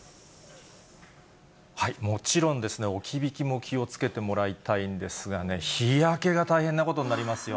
もちろんですね、置き引きも気をつけてもらいたいんですがね、日焼けが大変なことになりますよ。